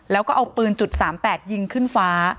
แล้วก็เอาปืน๓๘ยิงขึ้นฟ้า